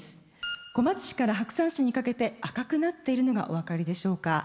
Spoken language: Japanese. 小松市から白山市にかけて赤くなっているのがお分かりでしょうか。